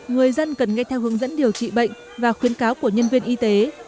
người dân cần nghe theo hướng dẫn điều trị bệnh và khuyến cáo của nhân viên y tế